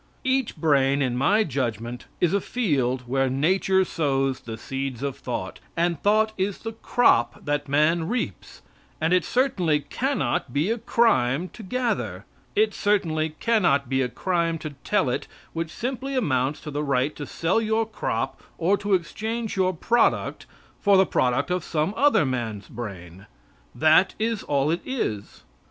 Each brain, in my judgment, is a field where nature sows the seeds of thought, and thought is the crop that man reaps, and it certainly cannot be a crime to gather; it certainly cannot be a crime to tell it, which simply amounts to the right to sell your crop or to exchange your product for the product of some other man's brain. That is all it is.